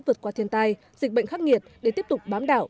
vượt qua thiên tai dịch bệnh khắc nghiệt để tiếp tục bám đảo